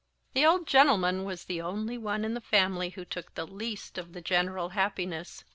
The old gentleman was the only one in the family who took the least of the general happiness.